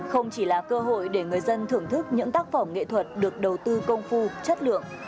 không chỉ là cơ hội để người dân thưởng thức những tác phẩm nghệ thuật được đầu tư công phu chất lượng